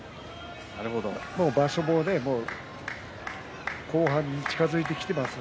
場所も後半に近づいてきています。